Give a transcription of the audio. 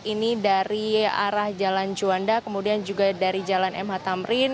ini dari arah jalan juanda kemudian juga dari jalan mh tamrin